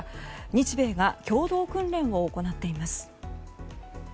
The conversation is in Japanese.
日米が共同訓練を行っています。